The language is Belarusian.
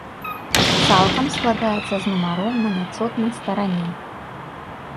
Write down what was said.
Цалкам складаецца з нумароў на няцотнай старане.